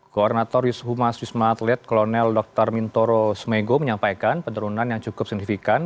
koordinator yus humas wisma atlet kolonel dr mintoro smego menyampaikan penurunan yang cukup signifikan